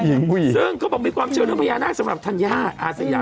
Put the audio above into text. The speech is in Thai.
เย็นกูอีกซึ่งเขาบอกมีความเชื่อเรื่องพยานาสำหรับทัญญาอาศยา